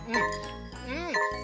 うん！